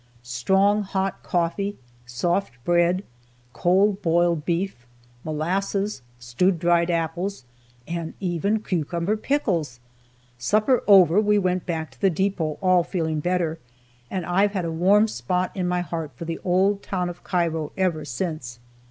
Strong, hot coffee, soft bread, cold boiled beef, molasses, stewed dried apples, and even cucumber pickles! Supper over, we went back to the depot, all feeling better, and I've had a warm spot in my heart for the old town of Cairo ever since.